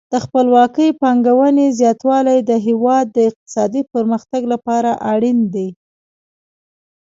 د خپلواکې پانګونې زیاتوالی د هیواد د اقتصادي پرمختګ لپاره اړین دی.